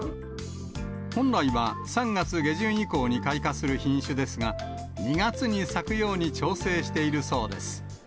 本来は３月下旬以降に開花する品種ですが、２月に咲くように調整しているそうです。